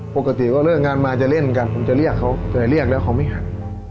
ปกติก็เลิกงานมาจะเล่นกันผมจะเรียกเขาแต่เรียกแล้วเขาไม่หัน